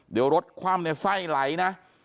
เดี๋ยวลดความในไส้ไหลนะ